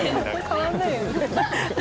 「変わんないよね」